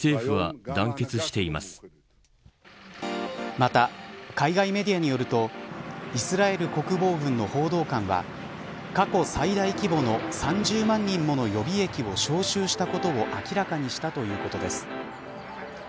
また、海外メディアによるとイスラエル国防軍の報道官は過去最大規模の３０万人もの予備役を招集したことを明らかにしたということです。